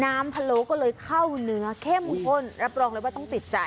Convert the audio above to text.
พะโล้ก็เลยเข้าเนื้อเข้มข้นรับรองเลยว่าต้องติดใจ